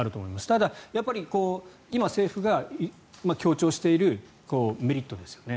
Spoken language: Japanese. ただ、今、政府が強調しているメリットですよね。